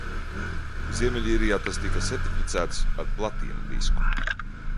Ziemeļīrijā tas tika sertificēts ar platīna disku.